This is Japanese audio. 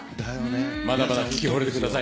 まだまだ聞きほれてください。